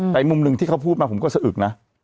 แต่มุมหนึ่งที่เขาพูดมาผมก็ซึ้งนะ